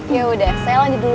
yaudah saya lanjut dulu ya